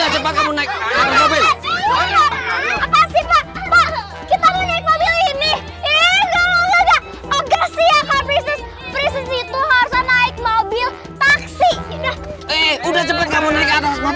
cepat naik naik naik